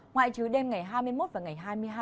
ngoại trừ đêm ngày hai mươi một và ngày hai mươi hai